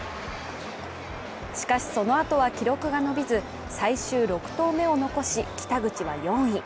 しかし、そのあとは記録が伸びず、最終６投目を残し、北口は４位。